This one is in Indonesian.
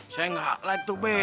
saya nggak like tuh des